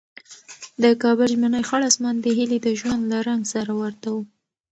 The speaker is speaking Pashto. د کابل ژمنی خړ اسمان د هیلې د ژوند له رنګ سره ورته و.